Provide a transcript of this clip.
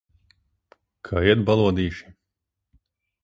Kā iet, balodīši?